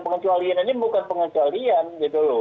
pengecualian ini bukan pengecualian gitu loh